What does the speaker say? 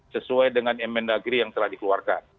sesuai dengan mn dagri yang telah dikeluarkan